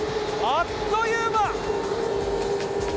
あっという間。